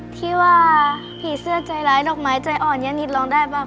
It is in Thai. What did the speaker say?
ที่ว่าผีเสื้อใจร้ายดอกไม้ใจอ่อนญาตินิดร้องได้บ้าง